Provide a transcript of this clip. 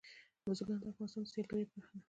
بزګان د افغانستان د سیلګرۍ برخه ده.